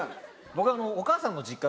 僕。